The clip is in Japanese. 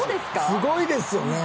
すごいですね。